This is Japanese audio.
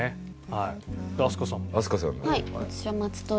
はい。